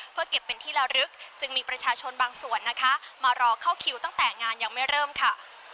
เพื่อเก็บเป็นที่ละลึกจึงมีประชาชนบางส่วนนะคะมารอเข้าคิวตั้งแต่งานยังไม่เริ่มค่ะ